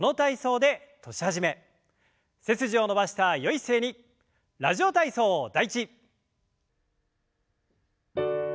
背筋を伸ばしたよい姿勢に「ラジオ体操第１」。